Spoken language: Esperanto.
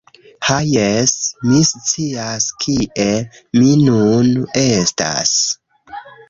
Ha, jes! Mi scias kie mi nun estas.